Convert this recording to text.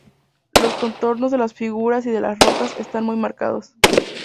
Los contornos de las figuras y de las rocas están muy marcados.